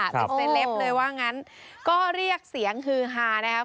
ติดเซลปเลยว่างั้นก็เรียกเสียงฮือฮานะครับ